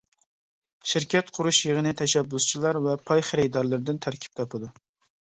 شىركەت قۇرۇش يىغىنى تەشەببۇسچىلار ۋە پاي خېرىدارلىرىدىن تەركىب تاپىدۇ.